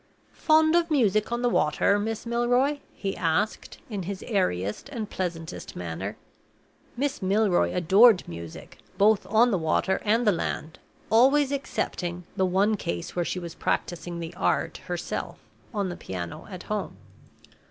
"Fond of music on the water, Miss Milroy?" he asked, in his airiest and pleasantest manner. Miss Milroy adored music, both on the water and the land always excepting the one case when she was practicing the art herself on the piano at home.